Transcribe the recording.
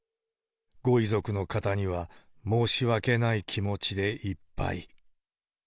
ご遺族の方には申し訳ない気持ちでいっぱい。